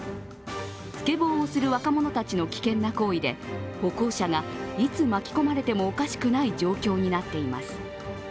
スケボーをする若者たちの危険な行為で歩行者がいつ巻き込まれてもおかしくない状況になっています。